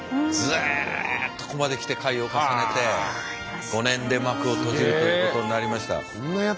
ずっとここまで来て回を重ねて５年で幕を閉じるということになりました。